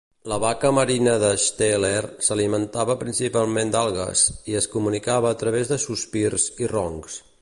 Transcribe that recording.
La vaca marina de Steller s'alimentava principalment d'algues, i es comunicava a través de sospirs i roncs.